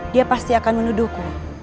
dia pasti akan menuduhku